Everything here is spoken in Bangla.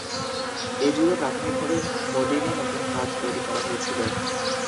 এই যুগে প্রাথমিকভাবে মোলিনে নতুন কাজ তৈরি করা হয়েছিল।